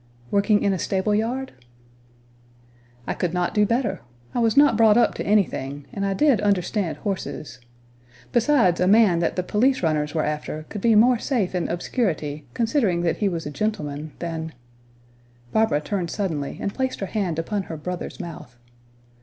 "Working in a stable yard?" "I could not do better. I was not brought up to anything, and I did understand horses. Besides, a man that the police runners were after could be more safe in obscurity, considering that he was a gentleman, than " Barbara turned suddenly, and placed her hand upon her brother's mouth.